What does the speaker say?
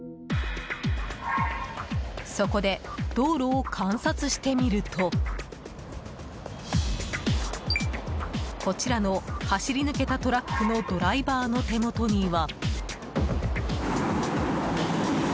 そこで、道路を観察してみるとこちらの走り抜けたトラックのドライバーの手元には。